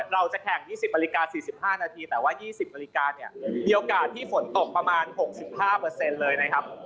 เราจะแข่ง๒๐นาฬิกา๔๕นาทีแต่ว่า๒๐นาฬิกาเนี่ยมีโอกาสที่ฝนตกประมาณ๖๕เลยนะครับ